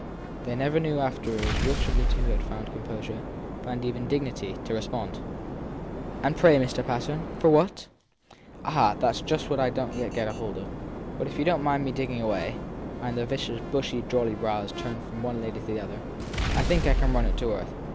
They never knew afterwards which of the two had first found composure found even dignity to respond. And pray, Mr. Patten, for what? 7 Ah, that s just what I don t yet get hold of. But if you don t mind my digging away and the vicar s bushy, jolly brows turned from one of the ladies to the other I think I can run it to earth.